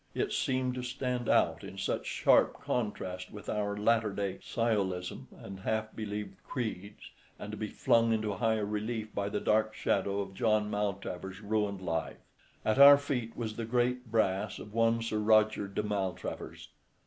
It seemed to stand out in such sharp contrast with our latter day sciolism and half believed creeds, and to be flung into higher relief by the dark shadow of John Maltravers's ruined life. At our feet was the great brass of one Sir Roger de Maltravers.